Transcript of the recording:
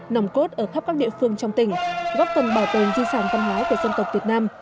nòng cốt ở khắp các địa phương trong tỉnh góp phần bảo tồn di sản văn hóa của dân tộc việt nam